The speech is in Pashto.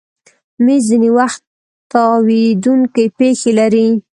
مېز ځینې وخت تاوېدونکی پښې لري.